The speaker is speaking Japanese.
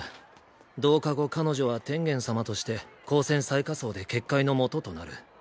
同化後彼女は天元様として高専最下層で結界の基となる。